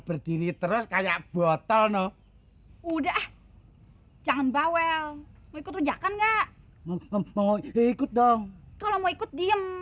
berdiri terus kayak botol no udah jangan bawel mau ikut runjakan enggak mau ikut dong kalau mau ikut diem